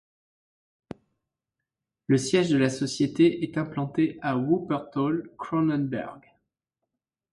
Le siège de la société est implanté à Wuppertal-Cronenberg.